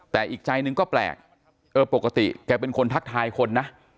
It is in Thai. แต่อีกใจหนึ่งก็แปลกเออปกติแกเป็นคนทักทายคนนะ